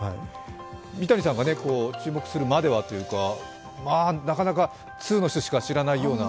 三谷さんが注目するまではというか、なかなか通の人しか知らないような。